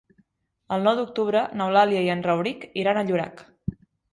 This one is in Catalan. El nou d'octubre n'Eulàlia i en Rauric iran a Llorac.